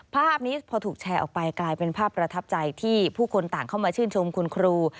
ภาพนี้พอถูกแชร์ออกไปกลายเป็นภาพประทับใจที่ผู้คนต่างเข้ามาชื่นชมคุณครู